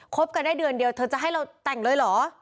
บกันได้เดือนเดียวเธอจะให้เราแต่งเลยเหรอ